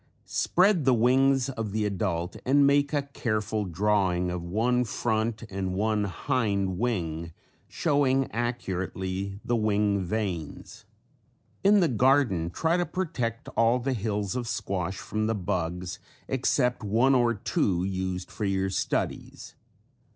Spread the wings of the adult and make a careful drawing of one front and one hind wing showing accurately the wing veins. In the garden try to protect all the hills of squash from the bugs except one or two used for your studies.